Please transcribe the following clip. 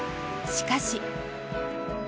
しかし。